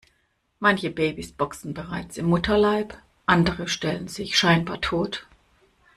Manche Babys boxen bereits im Mutterleib, andere stellen sich scheinbar tot.